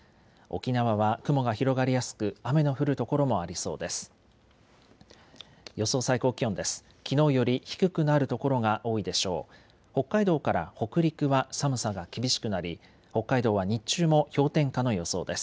沖縄は雲が広がりやすく雨の降る所もありそうです。